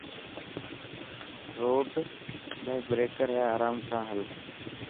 روڊ ميڻ بريڪر هي آرام سان هل.